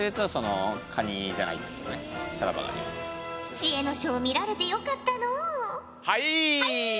知恵の書を見られてよかったのう。